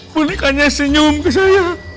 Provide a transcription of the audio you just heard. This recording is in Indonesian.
bonekanya senyum ke saya